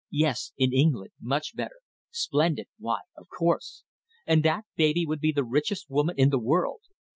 Yes, in England. Much better. Splendid! Why, of course. And that baby would be the richest woman in the world.